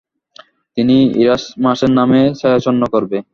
তিনি ইরাসমাসের নাম ছায়াচ্ছন্ন করবে।